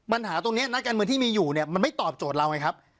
ปัญหาตรงนี้นักการเมืองที่มีอยู่เนี่ยมันไม่ตอบโจทย์เราไงครับ